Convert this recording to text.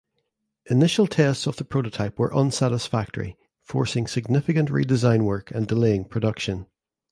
Initial tests of the prototype were unsatisfactory forcing significant redesign work and delaying production.